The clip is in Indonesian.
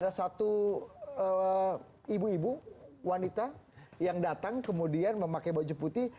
ada satu ibu ibu wanita yang datang kemudian memakai baju putih